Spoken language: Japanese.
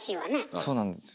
そうなんですよ。